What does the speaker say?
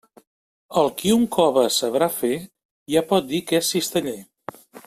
El qui un cove sabrà fer, ja pot dir que és cisteller.